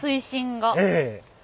ええ。